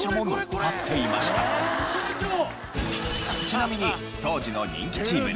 ちなみに当時の人気チーム